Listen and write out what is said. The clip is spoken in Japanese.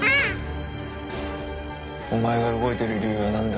お前が動いてる理由はなんだ？